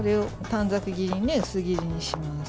短冊切りに薄切りにします。